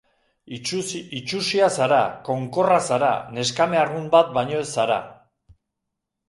Itsusia zara, konkorra zara, neskame arrunt bat baino ez zara.